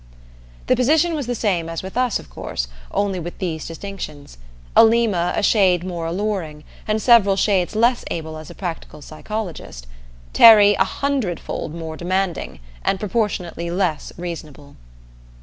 The position was the same as with us, of course, only with these distinctions. Alima, a shade more alluring, and several shades less able as a practical psychologist; Terry, a hundredfold more demanding and proportionately less reasonable.